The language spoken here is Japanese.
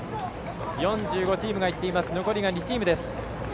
４５チームがいっていて残り２チームです。